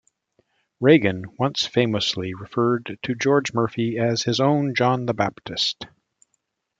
Reagan once famously referred to George Murphy as his own "John the Baptist".